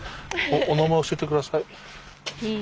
お名前教えて下さい。